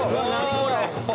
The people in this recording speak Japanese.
これ。